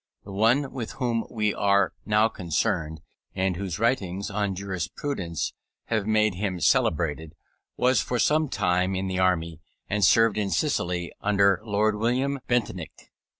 The one with whom we are now concerned, and whose writings on jurisprudence have made him celebrated, was for some time in the army, and served in Sicily under Lord William Bentinck.